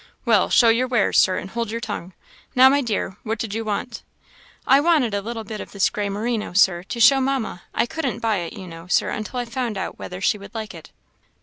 "Well, show your wares, Sir, and hold your tongue. Now, my dear, what did you want?" "I wanted a little bit of this gray merino, Sir, to show to Mamma. I couldn't buy it, you know, Sir, until I found out whether she would like it."